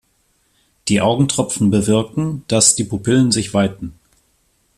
Die Augentropfen bewirken, dass die Pupillen sich weiten.